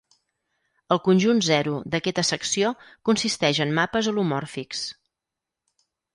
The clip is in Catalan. El conjunt zero d'aquesta secció consisteix en mapes holomòrfics.